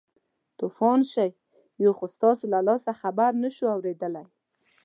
توپان شئ یو خو ستاسو له لاسه خبره نه شوو اورېدلی.